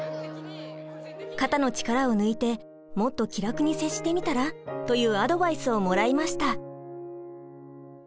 「肩の力を抜いてもっと気楽に接してみたら？」というアドバイスをもらいました。